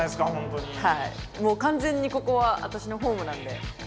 もう完全にここは私のホームなんで。